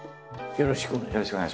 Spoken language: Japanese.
よろしくお願いします。